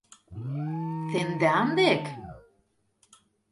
— Тендан дек!..